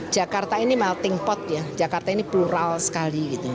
jakarta ini melting pot jakarta ini plural sekali